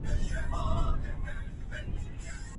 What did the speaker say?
مرغۍ له ونې نه راغورځېدلې وه.